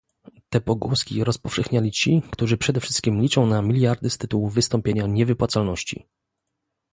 te pogłoski rozpowszechniali ci, którzy przede wszystkim liczą na miliardy z tytułu wystąpienia niewypłacalności